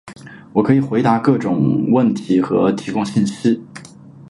我可以回答各种问题和提供信息。